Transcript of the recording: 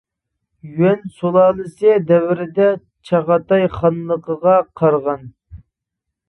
يۈەن سۇلالىسى دەۋرىدە چاغاتاي خانلىقىغا قارىغان.